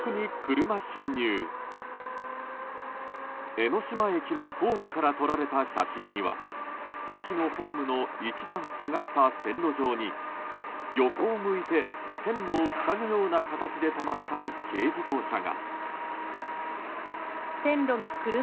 江ノ島駅のホームから撮られた写真には駅のホームの一段下がった線路上に横を向いて線路を塞ぐような形で止まった軽自動車が。